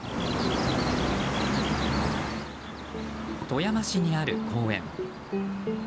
富山市にある公園。